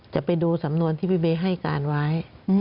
จะไปดูสำนวนที่พี่เบย์ให้การไว้